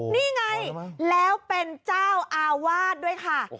นี่ไงแล้วเป็นเจ้าอาวาสด้วยค่ะ